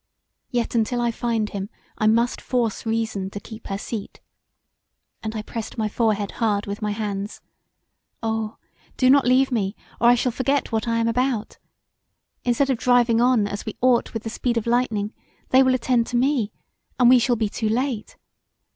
Yet untill I find him I must force reason to keep her seat, and I pressed my forehead hard with my hands Oh do not leave me; or I shall forget what I am about instead of driving on as we ought with the speed of lightning they will attend to me, and we shall be too late.